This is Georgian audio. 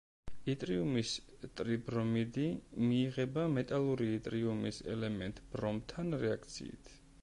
იტრიუმის ტრიბრომიდი მიიღება მეტალური იტრიუმის ელემენტ ბრომთან რეაქციით.